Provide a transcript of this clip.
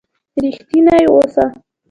رښتينی اوسه